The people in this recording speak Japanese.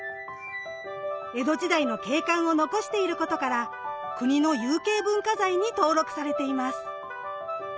江戸時代の景観を残していることから国の有形文化財に登録されています。